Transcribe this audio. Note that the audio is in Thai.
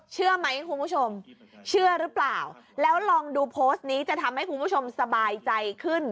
เชื่อไหมคุณผู้ชมเชื่อหรือเปล่าแล้วลองดูโพสต์นี้จะทำให้คุณผู้ชมสบายใจขึ้น